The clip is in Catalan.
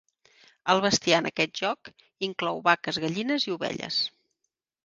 El bestiar en aquest joc inclou vaques, gallines i ovelles.